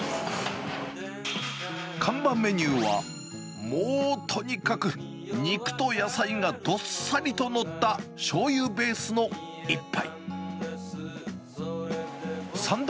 看板メニューは、もうとにかく肉と野菜がどっさりと載ったしょうゆベースの一杯。